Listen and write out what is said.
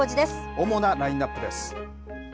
主なラインナップです。